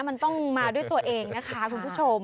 มันต้องมาด้วยตัวเองนะคะคุณผู้ชม